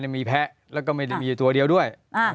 เนี่ยมีแพ้แล้วก็ไม่ได้มีตัวเดียวด้วยอ่า